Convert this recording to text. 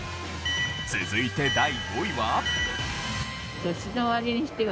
続いて第５位は。